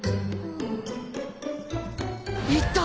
言った！